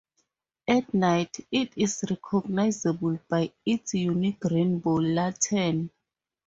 At night, it is recognizable by its unique rainbow lantern.